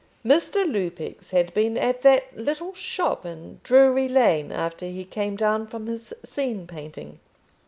Mr. Lupex had been at that little shop in Drury Lane after he came down from his scene painting.